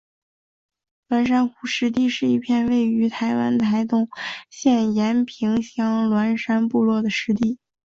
鸾山湖湿地是一片位于台湾台东县延平乡鸾山部落的湿地。